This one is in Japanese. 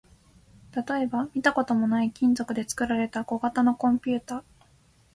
例えば、見たこともない金属で作られた小型のコンピュータ